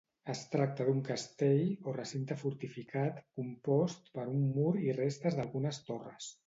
Es tracta d'un castell, o recinte fortificat, compost per un mur i restes d'algunes torres.